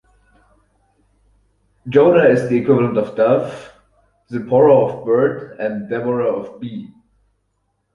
Jonah is the equivalent of "dove", Zipporah of "bird", and Deborah of "bee.